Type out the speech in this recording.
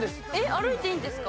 歩いていいんですか？